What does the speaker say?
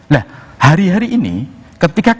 nah hari hari ini ketika